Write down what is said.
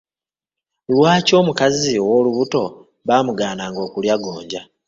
Lwaki omukazi owoolubuto baamugaananga okulya gonja?